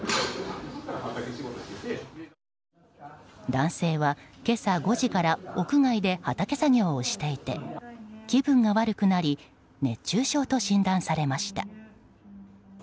男性は今朝５時から屋外で畑作業をしていて気分が悪くなり熱中症と診断されました。